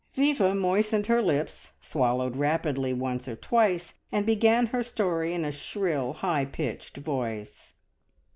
Viva moistened her lips, swallowed rapidly once or twice, and began her story in a shrill, high pitched voice.